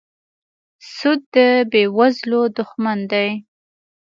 سود د بېوزلو دښمن دی.